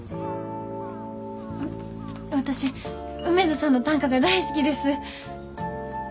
私梅津さんの短歌が大好きです。